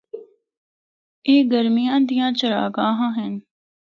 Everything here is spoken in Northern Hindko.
اے گرمیاں دیاں چراگاہاں ہن۔